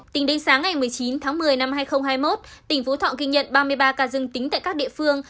tính đến sáng ngày một mươi chín tháng một mươi năm hai nghìn hai mươi một tỉnh phú thọ ghi nhận ba mươi ba ca dương tính tại các địa phương